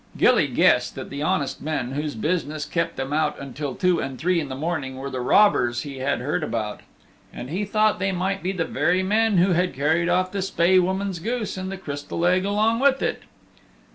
Gilly guessed that the honest men whose business kept them out until two and three in the morning were the robbers he had heard about. And he thought they might be the very men who had carried off the Spae Woman's goose and the Crystal Egg along with it.